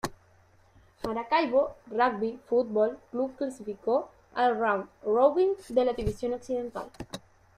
Maracaibo Rugby Football Club clasificó al Round Robin de la División Occidental.